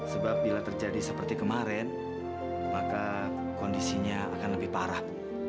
sebab bila terjadi seperti kemarin maka kondisinya akan lebih parah